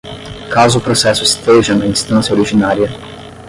caso o processo esteja na instância originária: